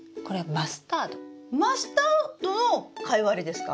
マスタードのカイワレですか？